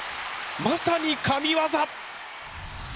まさに神業！